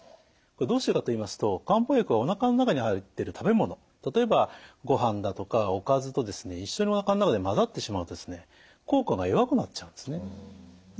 どうしてかと言いますと漢方薬はおなかの中に入ってる食べ物例えばごはんだとかおかずと一緒におなかの中で混ざってしまうと効果が弱くなっちゃうんですね。